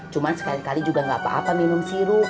cuma sekali kali juga gak apa apa minum sirup